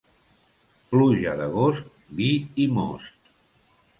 Pluja d'agost, vi i most.